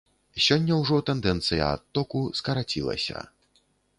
Сёння ўжо тэндэнцыя адтоку скарацілася.